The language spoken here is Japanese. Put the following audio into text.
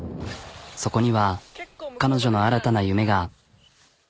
そこには彼女の新たな夢が。